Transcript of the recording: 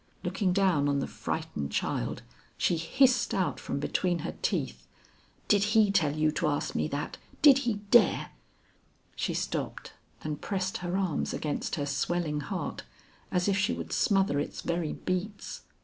Looking down on the frightened child, she hissed out from between her teeth, "Did he tell you to ask me that? Did he dare " She stopped and pressed her arms against her swelling heart as if she would smother its very beats.